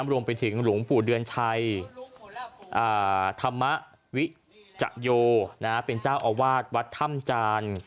รวมไปถึงหลวงปู่เดือนชัยธรรมวิจโยเป็นเจ้าอาวาสวัดถ้ำจาน